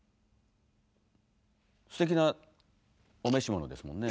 すてきなお召し物ですもんね。